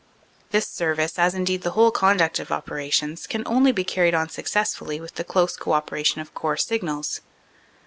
This service, as indeed the whole conduct of operations, can only be carried on successfully with the close co operation of Corps Signals.